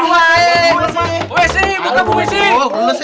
bu mes si buka bu mes si